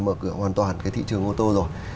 mở cửa hoàn toàn cái thị trường ô tô rồi